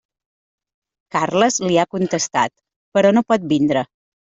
Carles li ha contestat, però no pot vindre.